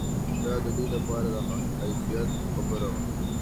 دا د دوی لپاره د حیثیت خبره وه.